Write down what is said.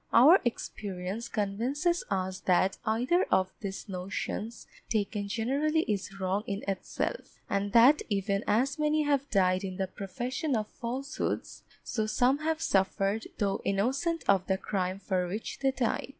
Our experience convinces us that either of these notions taken generally is wrong in itself, and that even as many have died in the profession of falsehoods, so some have suffered though innocent of the crime for which they died.